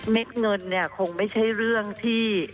เงินเนี่ยคงไม่ใช่เรื่องที่